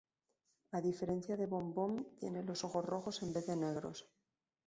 A diferencia de Boom Boom, tiene los ojos rojos en vez de negros.